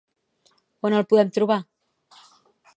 On el podem trobar?